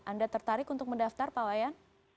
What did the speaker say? anda tertarik untuk mendaftar pak wayan